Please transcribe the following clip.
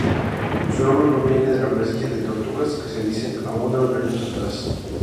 Su nombre proviene de la presencia de tortugas, que se dice abundaban años atrás.